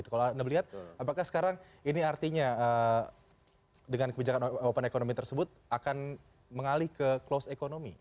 kalau anda melihat apakah sekarang ini artinya dengan kebijakan open economy tersebut akan mengalih ke closed economy